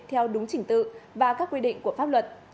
theo đúng chỉnh tự và các quy định của pháp luật